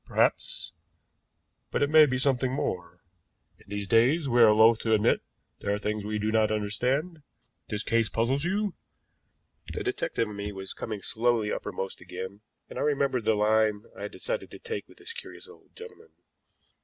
Perhaps, but it may be something more. In these days we are loath to admit there are things we do not understand. This case puzzles you?" The detective in me was coming slowly uppermost again, and I remembered the line I had decided to take with this curious old gentleman.